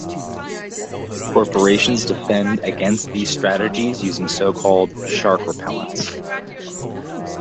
Corporations defend against these strategies using so-called 'shark repellents.